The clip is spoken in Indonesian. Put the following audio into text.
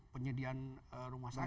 penyediaan rumah sakit